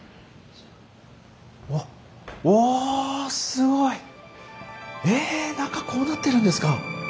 うわっうわすごい！え中こうなってるんですか！